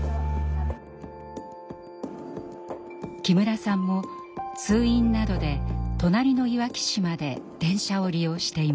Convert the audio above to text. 木村さんも通院などで隣のいわき市まで電車を利用しています。